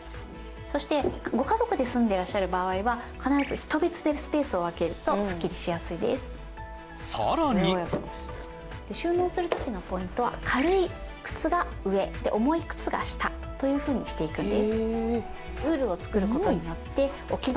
そしてご家族で住んでらっしゃる場合は必ず人別でスペースを分けるとスッキリしやすいですさらに収納する時のポイントは軽い靴が上重い靴が下というふうにしていくんです